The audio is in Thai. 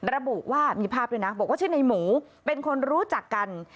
ระบุว่ามีภาพด้วยนะบอกว่าชื่อในหมูเป็นคนรู้จักกัน